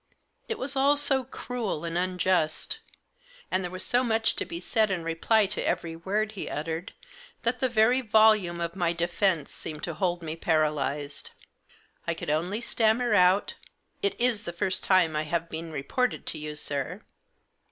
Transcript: It was all so cruel and unjust ; and there was so much to be said in reply to every word he uttered, that the very volume of my defence seemed to hold me paralysed. I could only stammer out :(< It is the first time I have been reported to you, sir."